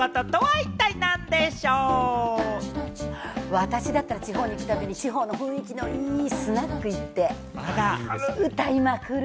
私だったら、地方に行ったとき、地方の雰囲気のいいスナック行って、歌いまくる。